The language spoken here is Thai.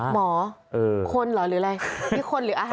หมอคนเหรอหรืออะไรหรือคนหรืออาหาร